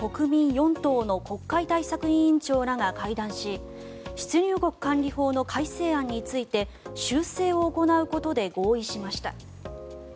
４党の国会対策委員長らが会談し出入国管理法の改正案について修正を行うことで合意しました。